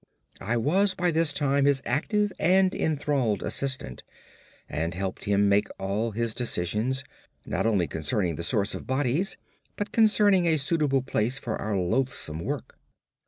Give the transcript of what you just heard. I was by this time his active and enthralled assistant, and helped him make all his decisions, not only concerning the source of bodies but concerning a suitable place for our loathsome work.